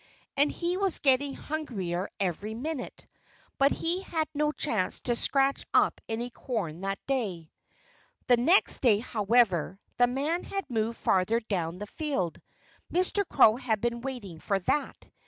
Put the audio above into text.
And he was getting hungrier every minute. But he had no chance to scratch up any corn that day. The next day, however, the men had moved further down the field. Mr. Crow had been waiting for that.